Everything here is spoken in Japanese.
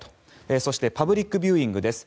そしてパブリックビューイングです。